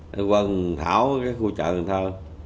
để quần thảo cái khu chợ cần thơ